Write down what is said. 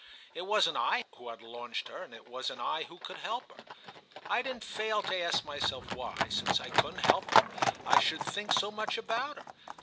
It wasn't I who had launched her and it wasn't I who could help her. I didn't fail to ask myself why, since I couldn't help her, I should think so much about her.